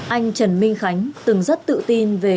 anh trần minh khánh từng rất tự tin về đồng nghiệp